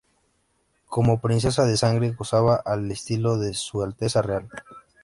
Como Princesa de sangre, gozaba el estilo de "Su Alteza Real".